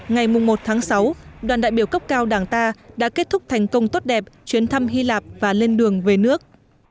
ngày một sáu đoàn đại biểu cấp cao đảng ta đã kết thúc thành công tốt đẹp chuyến thăm hy lạp và lên đường về nước